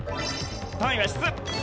単位は「室」。